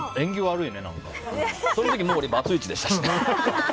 その時俺バツイチでしたしね。